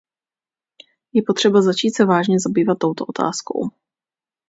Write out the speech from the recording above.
Je potřeba začít se vážně zabývat touto otázkou.